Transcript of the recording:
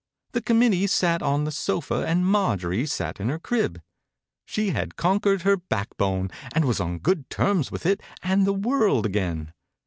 The committee sat on the sofa and Marjorie sat in her crib. She had conquered her backbone and was on good 46 THE INCUBATOR BABY terms with it and the world again.